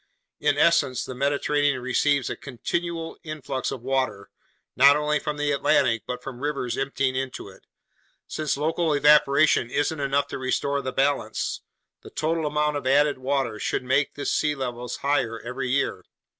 In essence, the Mediterranean receives a continual influx of water not only from the Atlantic but from rivers emptying into it; since local evaporation isn't enough to restore the balance, the total amount of added water should make this sea's level higher every year.